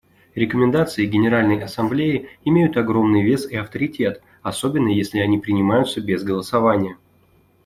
Рекомендации Генеральной Ассамблеи имеют огромный вес и авторитет, особенно если они принимаются без голосования.